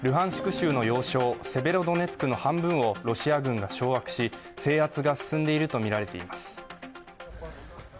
州の要衝セベロドネツクの半分をロシア軍が掌握し、制圧が進んでいるとみられています。